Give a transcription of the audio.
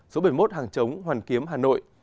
số bảy mươi một hàng chống hoàn kiếm hà nội